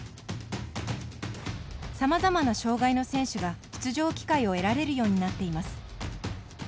さまざまな障がいの選手が出場機会を得られるようになっています。